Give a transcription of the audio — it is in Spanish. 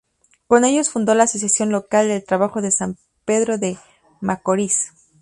Con ellos fundó la Asociación Local del Trabajo de San Pedro de Macorís.